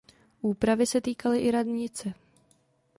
Úpravy se týkaly i radnice.